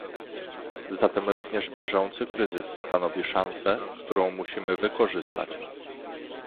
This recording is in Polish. Zatem również bieżący kryzys stanowi szansę, którą musimy wykorzystać